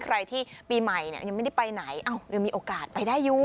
ใครที่ปีใหม่ยังไม่ได้ไปไหนยังมีโอกาสไปได้อยู่